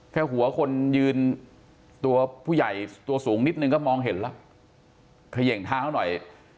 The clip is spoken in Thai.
แค่หัวคนยืนตัวผู้ใหญ่ตัวสูงนิดนึงก็มองเห็นแล้วเขย่งเท้าหน่อย